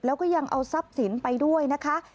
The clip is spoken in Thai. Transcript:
แล้วก็ยังเอาทรัพย์สินไปด้วยนะคะ